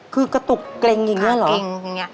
คือกระตุกเกร็งอย่างนี้เหรอเกร็งอย่างนี้